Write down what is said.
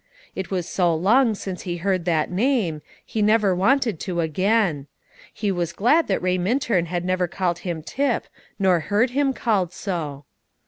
It was so long since he heard that name, he never wanted to again. He was glad that Ray Minturn had never called him Tip, nor heard him called so.